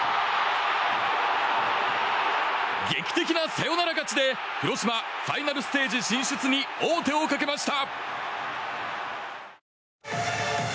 劇的なサヨナラ勝ちで広島、ファイナルステージ進出に王手をかけました。